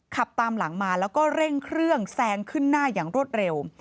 ขับตามหลังมาแล้วก็เร่งเครื่องแซงขึ้นหน้าอย่างรวดเร็ว